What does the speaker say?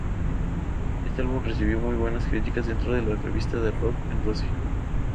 Este álbum recibió muy buenas críticas dentro de las revistas de rock en Rusia.